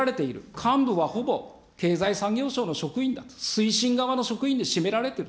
幹部はほぼ、経済産業省の職員だと、推進側の職員で占められている。